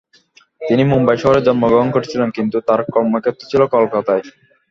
তিনি মুম্বাই শহরে জন্মগ্রহণ করেছিলেন, কিন্তু তার কর্মক্ষেত্র ছিল কলকাতায়।